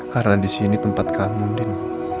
karena disini tempat kamu andin